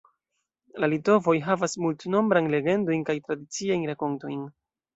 La litovoj havas multnombrajn legendojn kaj tradiciajn rakontojn.